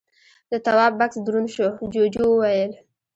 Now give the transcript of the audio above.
د تواب بکس دروند شو، جُوجُو وويل: